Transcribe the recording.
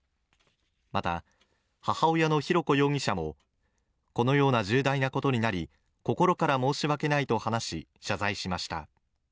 また母親の浩子容疑者もこのような重大なことになり心から申し訳ないと話し謝罪しました。